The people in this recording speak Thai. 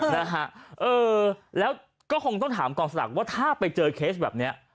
นะฮะเออแล้วก็คงต้องถามกองสลักว่าถ้าไปเจอเคสแบบเนี้ย